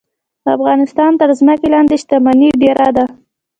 د افغانستان تر ځمکې لاندې شتمني ډیره ده